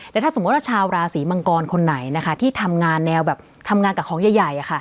แล้วถ้าสมมุติว่าชาวราศีมังกรคนไหนนะคะที่ทำงานแนวแบบทำงานกับของใหญ่